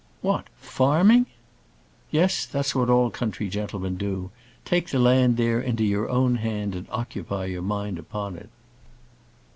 "What! farming?" "Yes; that's what all country gentlemen do: take the land there into your own hand, and occupy your mind upon it."